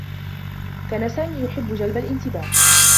كان سامي يحبّ جلب الانتباه.